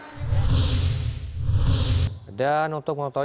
dan untuk mengetahui perkembangan